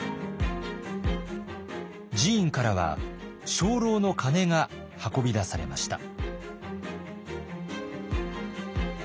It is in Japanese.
寺院からは鐘楼の鐘が運び出されました。